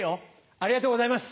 ありがとうございます。